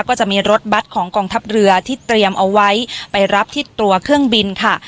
ก็จะมีรถบัตรของกองทัพเรือที่เตรียมเอาไว้ไปรับที่ตัวเครื่องบินค่ะ